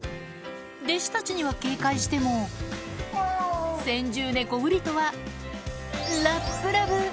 弟子たちには警戒しても、先住猫、ウリとはラッブラブ。